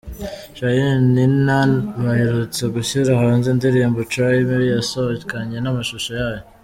Charly&Nina baherutse gushyira hanze indirimbo ‘Try me’ yasohokanye n’amashusho yayo.